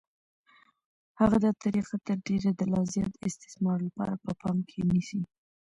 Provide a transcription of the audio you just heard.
هغه دا طریقه تر ډېره د لا زیات استثمار لپاره په پام کې نیسي